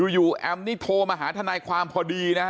แอมนี่โทรมาหาทนายความพอดีนะฮะ